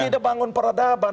tidak membangun peradaban